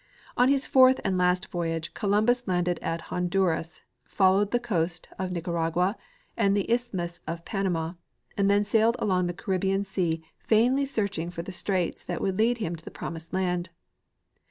On his fourtli and last voyage Columbus landed at Honduras, followed the coast of Nicaragua and the isthmus of Panama, and then sailed along the Caribbean sea vainly searching for the straits that would lead him to the promised land.